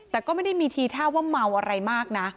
แต่ก็ไม่ได้มีทีท่าว่าเมาอะไรมากนะ